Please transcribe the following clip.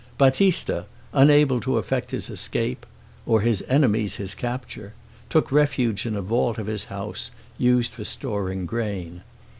Battista, unable to effect his escape, or his enemies his capture, took refuge in a vault of his house, used for storing grain.